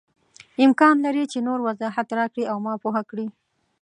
امکان لري چې نور وضاحت راکړې او ما پوه کړې.